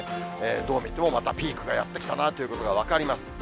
どう見てもまたピークがやって来たなということが分かります。